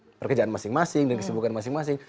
di bidang perkejangan masing masing dan kesibukan masing masing